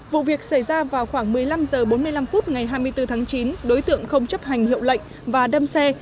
vụ việc xảy ra vào khoảng một mươi năm h bốn mươi năm phút ngày hai mươi bốn tháng chín đối tượng không chấp hành hiệu lệnh và đâm xe